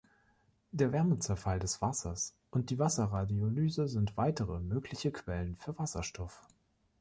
Der Wärmezerfall des Wassers und die Wasserradiolyse sind weitere mögliche Quellen für Wasserstoff.